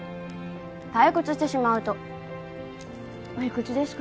退屈してしまうと「おいくつですか？」